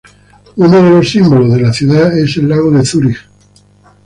Uno de los símbolos de la ciudad es el lago de Zúrich.